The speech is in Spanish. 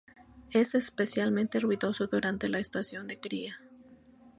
Es especialmente ruidoso durante la estación de cría.